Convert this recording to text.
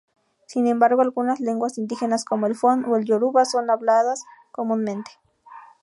Sin embargo, algunas lenguas indígenas como el fon o el yoruba son habladas comúnmente.